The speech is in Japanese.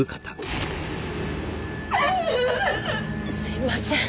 すいません。